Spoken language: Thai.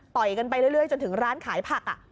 กันไปเรื่อยจนถึงร้านขายผัก